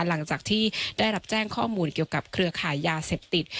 หลังจากที่ได้รับแจ้งข้อมูลเกี่ยวกับเครือขายยาเสพติด